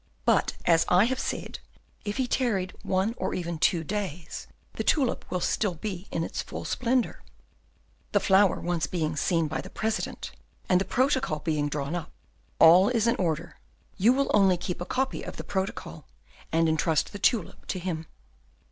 But, as I said, if he tarried one or even two days, the tulip will still be in its full splendour. The flower once being seen by the President, and the protocol being drawn up, all is in order; you will only keep a duplicate of the protocol, and intrust the tulip to him.